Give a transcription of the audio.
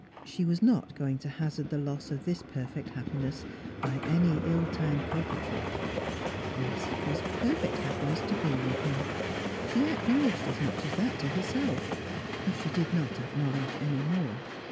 She was not going to hazard the loss of this perfect happiness by any ill timed coquetry. Yes, it was perfect happiness to be with him. She acknowledged as much as that to herself, if she did not acknowledge any more.